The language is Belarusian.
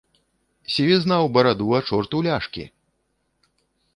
Сівізна ў бараду, а чорт у ляшкі!